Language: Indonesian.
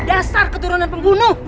dasar keturunan pembunuh